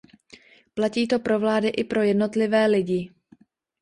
Platí to pro vlády i pro jednotlivé lidi.